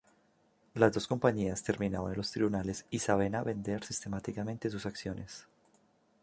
Las dos compañías terminaron en los tribunales y Sabena vender sistemáticamente sus acciones.